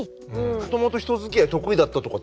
もともと人づきあい得意だったとかって人たちがね